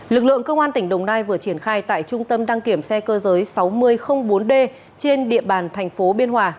lực lượng công an tỉnh đồng nai vừa triển khai tại trung tâm đăng kiểm xe cơ giới sáu nghìn bốn d trên địa bàn thành phố biên hòa